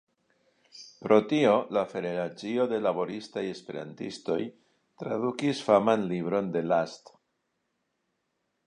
Pro tio la Federacio de Laboristaj Esperantistoj tradukis faman libron de Last.